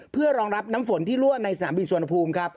เพื่อรองรับน้ำฝนที่รั่วในสนามบินสุวรรณภูมิครับ